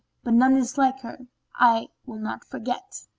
* But none is like her—I will not forget!"